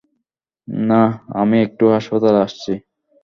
না, আমি একটু হাসপাতালে আসছি।